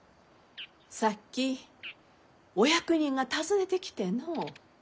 さっきお役人が訪ねてきてのう。